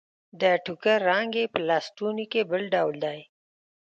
د ټوکر رنګ يې په لستوڼي کې بل ډول دی.